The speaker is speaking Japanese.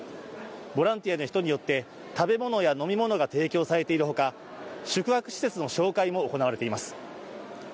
ボランティアの人によって食べ物や飲み物が提供されているほか、宿泊施設の紹介も行われています。